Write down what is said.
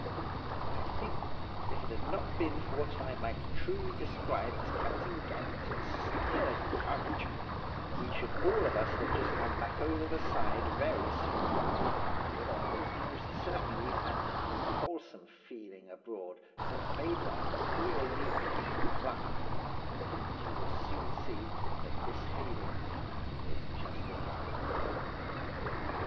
I think, if it had not been for what I might truly describe as Captain Gannington's sturdy courage, we should all of us have just gone back over the side very soon, for there was most certainly an unwholesome feeling abroad that made one feel queerly lacking in pluck; and you will soon see that this feeling was justified.